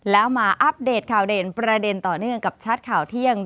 แล้วมาอัปเดตข่าวเด่นประเด็นต่อเนื่องกับชัดข่าวเที่ยง